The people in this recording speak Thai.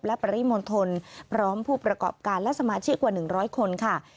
และปริมณฑลพร้อมผู้ประกอบการและสมาชิกกว่า๑๐๐คนค่ะ